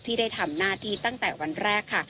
ที่ได้ทำหน้าที่ตั้งแต่วันแรกค่ะ